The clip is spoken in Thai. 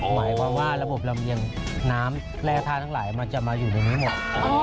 หมายความว่าระบบลำเรียงน้ำแร่ท่าทั้งหลายมันจะมาอยู่ในนี้หมด